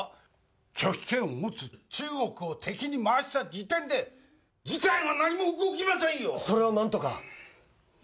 拒否権を持つ中国を敵に回した時点で事態は何も動きませんよ！